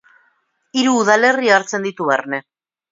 Hiru udalerri hartzen ditu barne.